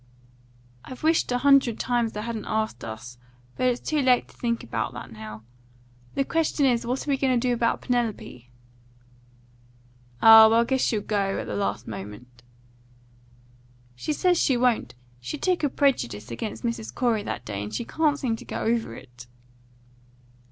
"I've wished a hundred times they hadn't asked us; but it's too late to think about that now. The question is, what are we going to do about Penelope?" "Oh, I guess she'll go, at the last moment." "She says she won't. She took a prejudice against Mrs. Corey that day, and she can't seem to get over it."